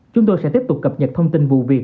chúng tôi sẽ tiếp tục cập nhật thông tin vụ việc